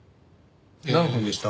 何分でした？